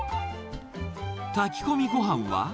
炊き込みごはんは。